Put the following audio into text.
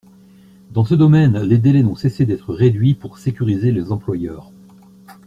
Dans ce domaine, les délais n’ont cessé d’être réduits pour sécuriser les employeurs.